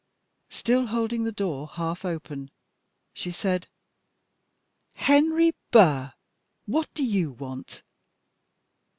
Still holding the door half open, she said "Henry Burr, what do you want?"